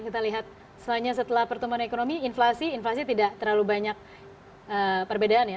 kita lihat selanjutnya setelah pertumbuhan ekonomi inflasi inflasi tidak terlalu banyak perbedaan ya